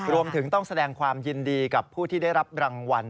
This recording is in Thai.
รวมถึงต้องแสดงความยินดีกับผู้ที่ได้รับรางวัล